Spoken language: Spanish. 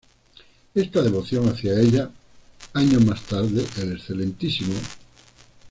Esta devoción hacia ella, años más tarde, el Excmo.